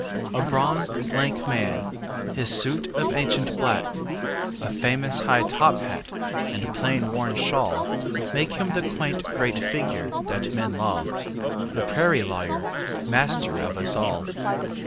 A bronzed, lank man! His suit of ancient black,A famous high top hat and plain worn shawlMake him the quaint great figure that men love, The prairie lawyer, master of us all.